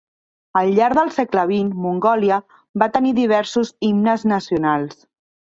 Al llarg del segle XX, Mongolia va tenir diversos himnes nacionals.